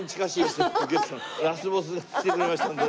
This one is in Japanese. ラスボスが来てくれましたので。